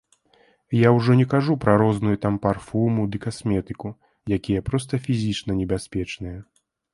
Я ўжо не кажу пра розную там парфуму ды касметыку, якія проста фізічна небяспечныя!